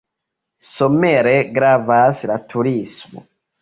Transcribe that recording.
Somere gravas la turismo.